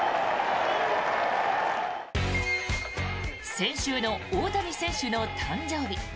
先週の大谷選手の誕生日。